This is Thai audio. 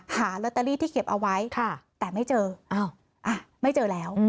หาลอตเตอรี่ที่เก็บเอาไว้แต่ไม่เจออ้าวไม่เจอแล้ว